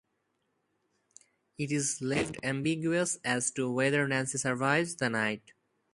It is left ambiguous as to whether Nancy survives the night.